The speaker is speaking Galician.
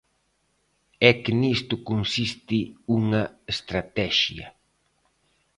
É que nisto consiste unha estratexia.